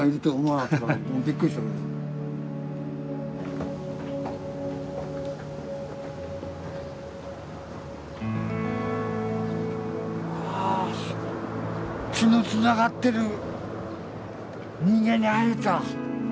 わあ血のつながってる人間に会えた！